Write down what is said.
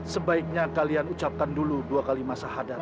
sebaiknya kalian ucapkan dulu dua kalimah sahadat